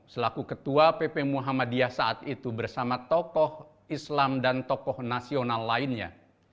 selaku ketua pp muhammadiyah saat itu bersama tokoh islam dan tokoh nasional lainnya